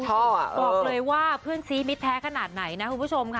บอกเลยว่าเพื่อนซีมิดแท้ขนาดไหนนะคุณผู้ชมค่ะ